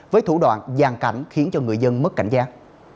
với thủ đoạn gian cảnh khiến cho người dân mất cảnh giác